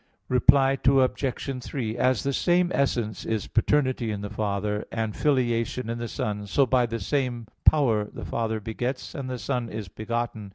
Reply Obj. 3: As the same essence is paternity in the Father, and filiation in the Son: so by the same power the Father begets, and the Son is begotten.